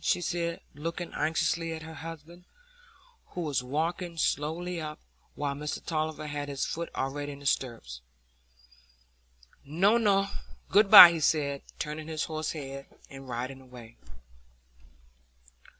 she said, looking anxiously at her husband, who was walking slowly up, while Mr Tulliver had his foot already in the stirrup. "No, no; good by," said he, turning his horse's head, and riding away.